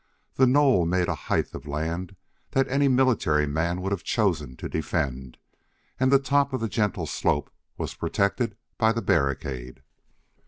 The knoll made a height of land that any military man would have chosen to defend, and the top of the gentle slope was protected by the barricade.